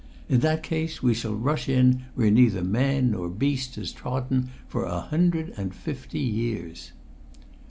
In that case we shall rush in where neither man nor beast has trodden for a hundred and fifty years."